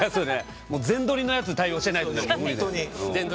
全どりのやつ対応してないと。